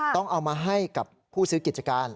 ต้องเอามาให้กับผู้ซื้อกิจการ